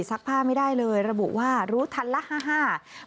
ซักผ้าไม่ได้เลยระบุว่ารู้ทันแล้ว